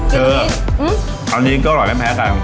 เอออันนี้ก็อร่อยไม่แพ้กัน